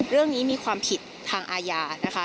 เรื่องนี้มีความผิดทางอาญานะคะ